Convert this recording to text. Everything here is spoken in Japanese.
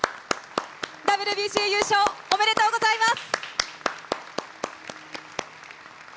ＷＢＣ優勝おめでとうございます。